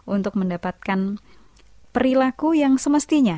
untuk mendapatkan perilaku yang semestinya